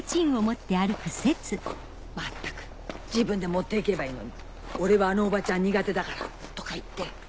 まったく自分で持って行けばいいのに俺はあのおばちゃん苦手だからとか言って。